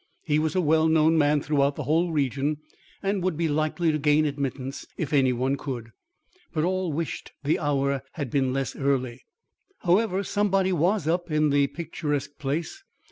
He was a well known man throughout the whole region, and would be likely to gain admittance if any one could. But all wished the hour had been less early. However, somebody was up in the picturesque place.